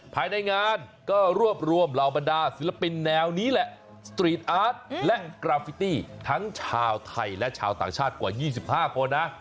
ภายในงานก็รวบรวมเหล่าบรรดาศิลปินแนวนี้แหละสตรีทอาร์ตและกราฟิตี้ทั้งชาวไทยและชาวต่างชาติกว่า๒๕คนนะ